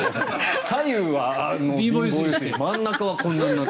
左右は貧乏揺すり真ん中はこんなになって。